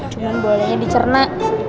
cuma bolehnya dicerna